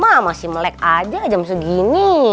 wah masih melek aja jam segini